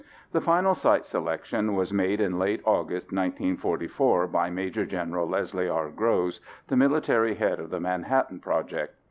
The final site selection was made in late August 1944 by Major General Leslie R. Groves, the military head of the Manhattan Project.